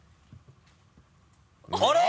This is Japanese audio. あれ？